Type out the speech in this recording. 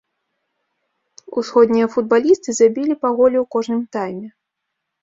Усходнія футбалісты забілі па голе ў кожным тайме.